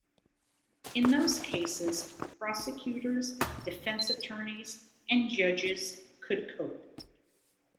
In those cases, prosecutors, defense attorneys, and judges could cope.